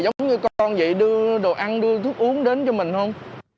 giống như con vậy đưa đồ ăn đưa thuốc uống đến cho mình không